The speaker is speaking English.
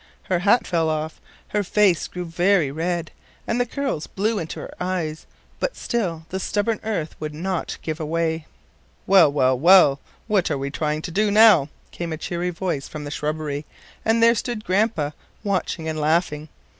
Her hat fell off, her face grew very red, and the curls blew into her eyes, but still the stubborn earth would not give way. "Well, well, well, what are we trying to do now?" came a cheery voice from the shrubbery, and there stood Grandpa, watching and laughing.